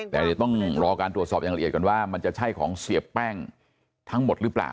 แต่เดี๋ยวต้องรอการตรวจสอบอย่างละเอียดกันว่ามันจะใช่ของเสียแป้งทั้งหมดหรือเปล่า